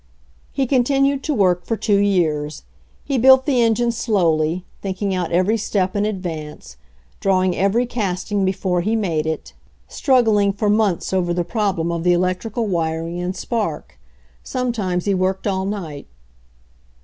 He continued to work for two years. He built the engine slowly, thinking out every step in ad vance, drawing every casting before he made it, struggling for months over the problem of the EIGHT HOURS 79 electrical wiring and spark. Sometimes he worked all night.